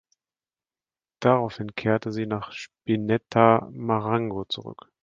Daraufhin kehrte sie nach Spinetta Marengo zurück.